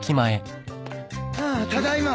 ああただいま。